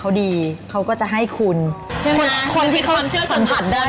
เราอยากกิน